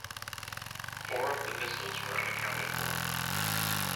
Four of the missiles were unaccounted for.